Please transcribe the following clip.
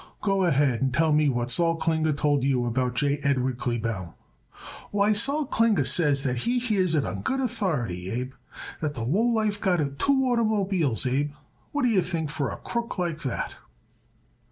"Go ahead and tell me what Sol Klinger told it you about J. Edward Kleebaum." "Why, Sol Klinger says that he hears it on good authority, Abe, that that lowlife got it two oitermobiles, Abe. What d'ye think for a crook like that?"